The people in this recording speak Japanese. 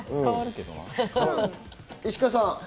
石川さん。